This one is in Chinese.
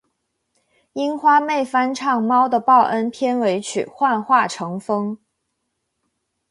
樱花妹翻唱《猫的报恩》片尾曲《幻化成风》